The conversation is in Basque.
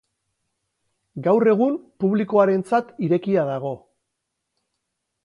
Gaur egun publikoarentzat irekia dago.